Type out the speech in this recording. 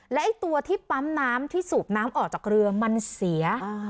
และไอ้ตัวที่ปั๊มน้ำที่สูบน้ำออกจากเรือมันเสีย